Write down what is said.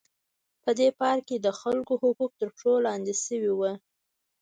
په دې پارک کې د خلکو حقوق تر پښو لاندې شوي وو.